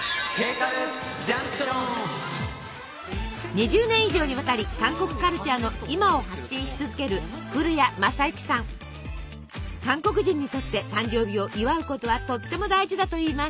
２０年以上にわたり韓国カルチャーの今を発信し続ける韓国人にとって誕生日を祝うことはとっても大事だといいます。